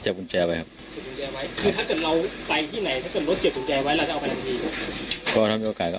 เสียบุญแจไว้ถ้าจะลองระดับ